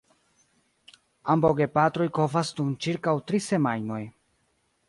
Ambaŭ gepatroj kovas dum ĉirkaŭ tri semajnoj.